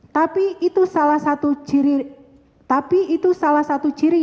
tapi itu salah satu ciri ciri